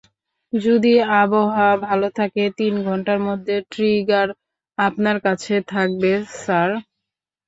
যদি আবহাওয়া ভালো থাকে, তিন ঘন্টার মধ্যে ট্রিগার আপনার কাছে থাকবে, স্যার।